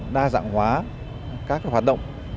đa dạng hóa các hoạt động